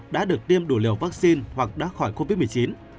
đã được tiêm đủ liều vaccine hoặc đã khỏi covid một mươi chín